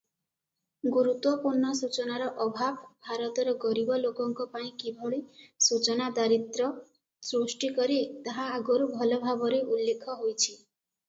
ଗୁରୁତ୍ୱପୂର୍ଣ୍ଣ ସୂଚନାର ଅଭାବ ଭାରତର ଗରିବ ଲୋକଙ୍କ ପାଇଁ କିଭଳି “ସୂଚନା ଦାରିଦ୍ର୍ୟ” ସୃଷ୍ଟି କରେ ତାହା ଆଗରୁ ଭଲ ଭାବରେ ଉଲ୍ଲେଖ ହୋଇଛି ।